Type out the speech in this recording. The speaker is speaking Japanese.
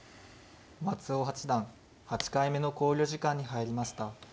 松尾八段８回目の考慮時間に入りました。